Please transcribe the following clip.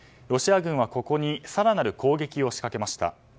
ロシア軍はここに更なる攻撃を仕掛けました。